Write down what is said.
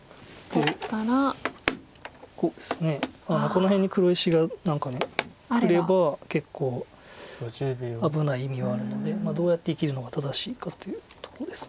この辺に黒石が何かくれば結構危ない意味はあるのでどうやって生きるのが正しいかというとこです。